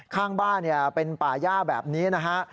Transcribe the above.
ข้างบ้านเป็นป่าย่าแบบนี้นะฮะ